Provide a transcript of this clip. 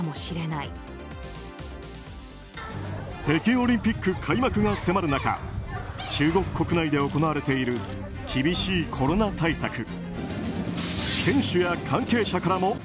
北京オリンピック開幕が迫る中中国国内で行われている厳しいコロナ対策。